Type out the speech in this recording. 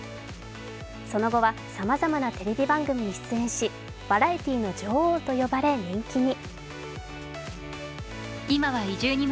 その後はさまざまなテレビ番組に出演し、バラエティーの女王と呼ばれ人気に。